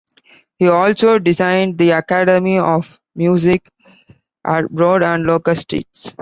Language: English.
He also designed the Academy of Music at Broad and Locust Streets.